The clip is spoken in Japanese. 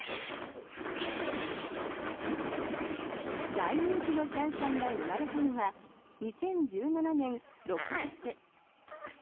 大人気のシャンシャンが生まれたのは２０１７年６月。